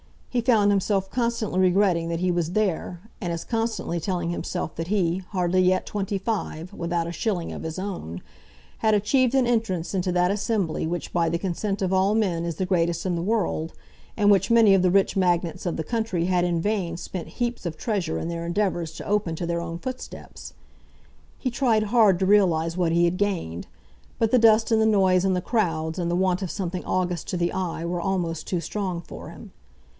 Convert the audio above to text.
He found himself constantly regretting that he was there; and as constantly telling himself that he, hardly yet twenty five, without a shilling of his own, had achieved an entrance into that assembly which by the consent of all men is the greatest in the world, and which many of the rich magnates of the country had in vain spent heaps of treasure in their endeavours to open to their own footsteps. He tried hard to realise what he had gained, but the dust and the noise and the crowds and the want of something august to the eye were almost too strong for him.